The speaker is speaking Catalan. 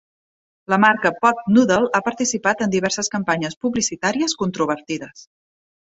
La marca Pot Noodle ha participat en diverses campanyes publicitàries controvertides.